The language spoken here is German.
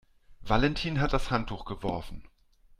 Valentin hat das Handtuch geworfen.